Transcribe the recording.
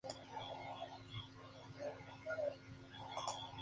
Son varias configuraciones.